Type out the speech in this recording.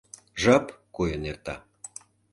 Жап койын эрта.